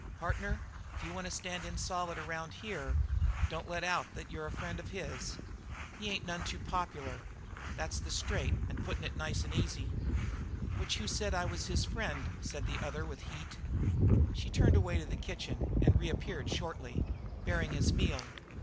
"Partner, if you want to stand in solid around here, don't let out that you're a friend of his. He ain't none too popular; that's straight and puttin' it nice and easy." "Which who said I was his friend?" said the other with heat. She turned away to the kitchen and reappeared shortly, bearing his meal.